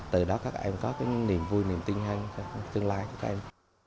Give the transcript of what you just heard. từ đó các em có cái niềm vui niềm tin hành tương lai cho các em